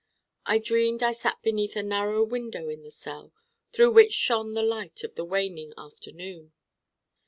I dreamed I sat beneath a narrow window in the cell through which shone the light of the waning afternoon.